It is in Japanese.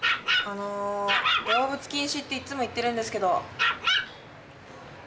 あの動物禁止っていっつも言ってるんですけど。